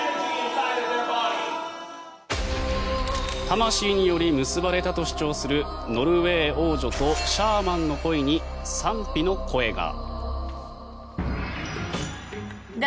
魂により結ばれたと主張するノルウェー王女とシャーマンの恋に賛否の声が。